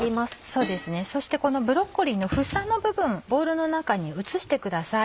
そうですねそしてこのブロッコリーの房の部分ボウルの中に移してください。